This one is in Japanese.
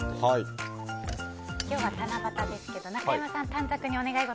今日は七夕ですけど中山さん、短冊にお願い事